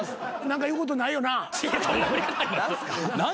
「何か言うことないよな？」